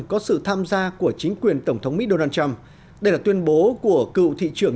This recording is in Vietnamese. có sự tham gia của chính quyền tổng thống mỹ donald trump đây là tuyên bố của cựu trưởng